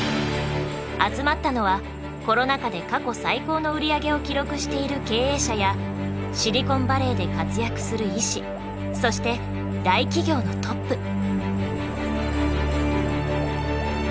集まったのはコロナ禍で過去最高の売り上げを記録している経営者やシリコンバレーで活躍する医師そして大企業のトップ。